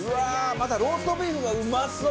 またローストビーフがうまそう！